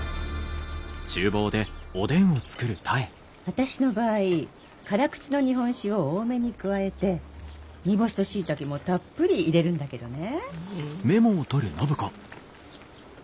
私の場合辛口の日本酒を多めに加えて煮干しとシイタケもたっぷり入れるんだけどね。